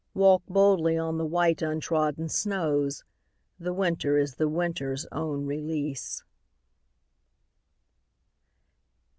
Walk boldly on the white untrodden snows, The winter is the winter's own release.